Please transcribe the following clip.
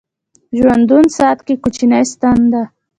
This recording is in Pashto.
ژوندون ساعت کې کوچنۍ ستن ده